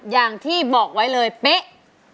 อย่างที่บอกไว้เลยเป๊ะ